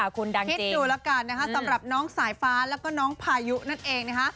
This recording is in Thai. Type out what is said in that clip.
คิดดูแล้วกันสำหรับน้องสายฟ้าและน้องพายุนั่นเอง